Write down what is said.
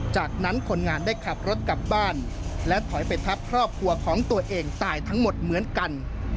จากนั้นคนงานได้ขับรถกลับบ้านและถอยไปทับครอบครัวของตัวเองตายทั้งหมดเหมือนกัน